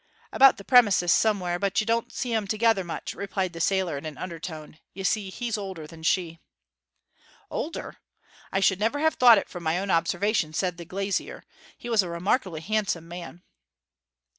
'About the premises somewhere; but you don't see'em together much,' replied the sailor in an undertone. 'You see, he's older than she.' 'Older? I should never have thought it from my own observation,' said the glazier. 'He was a remarkably handsome man.'